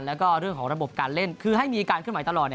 แล้วก็เรื่องของระบบการเล่นคือให้มีการเคลื่อนไหวตลอด